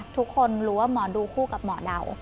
ทุกคนรู้ว่าหมอดูคู่กับหมอเดา